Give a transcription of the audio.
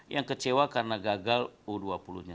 yang kecewa karena gagal u dua puluh nya